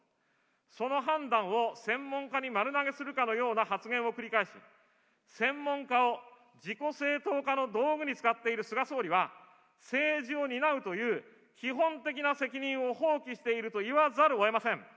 その判断を専門家に丸投げするかのような発言を繰り返し、専門家を自己正当化の道具に使っている菅総理は、政治を担うという基本的な責任を放棄していると言わざるをえません。